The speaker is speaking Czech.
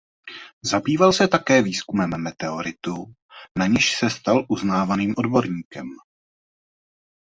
Zabýval se také výzkumem meteoritů na něž se stal uznávaným odborníkem.